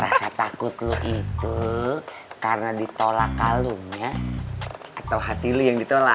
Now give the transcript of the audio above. rasa takut lo itu karena ditolak kalungnya atau hati lo yang ditolak